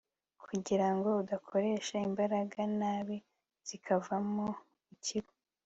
kugira ngo udakoresha imbaraga nabi zikavamo ikibi